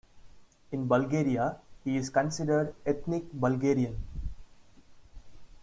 In Bulgaria he is considered Ethnic Bulgarian.